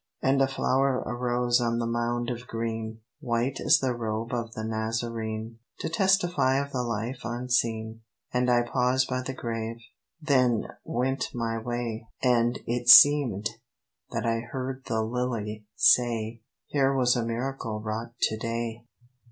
And a flower arose on the mound of green, White as the robe of the Nazarene; To testify of the life unseen. And I paused by the grave; then went my way: And it seemed that I heard the lily say "Here was a miracle wrought to day."